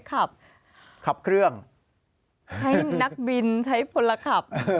ใช้นักบินใช้พนักขับ